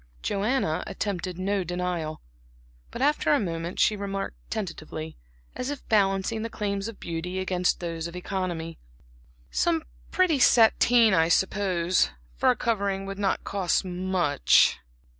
Joanna attempted no denial; but after a moment she remarked tentatively, as if balancing the claims of beauty against those of economy; "Some pretty sateen, I suppose, for a covering would not cost much."